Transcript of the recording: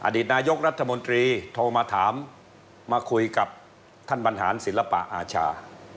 อดีตนายกรัฐมนตรีโทรมาถามมาคุยกับท่านบรรหารศิลปะอาชา